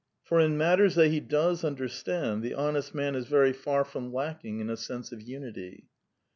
For in matters that he does understand the honest man is very far from lacking in a sense of unity.